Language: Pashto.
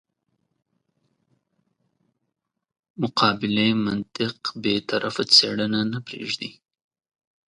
مقابلې منطق بې طرفه څېړنه نه پرېږدي.